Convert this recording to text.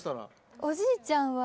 おじいちゃん。